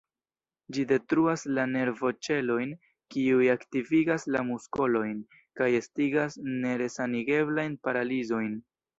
Ĝi detruas la nervoĉelojn, kiuj aktivigas la muskolojn, kaj estigas neresanigeblajn paralizojn.